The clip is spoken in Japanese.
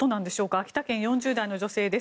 秋田県、４０代の女性です。